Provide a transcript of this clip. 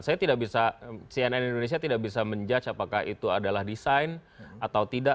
saya tidak bisa cnn indonesia tidak bisa menjudge apakah itu adalah desain atau tidak